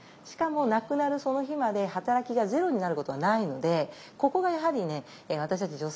しかも亡くなるその日まで働きがゼロになることはないのでここがやはりね私たち